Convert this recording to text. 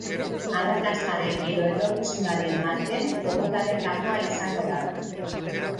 Arrakastaren edo etorkizunaren marken porrotaren gakoa izango da.